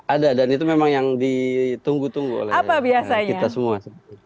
ada dan itu memang yang ditunggu tunggu oleh kita semua